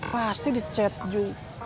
pasti di chat ju